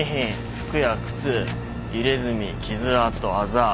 服や靴入れ墨傷痕あざ。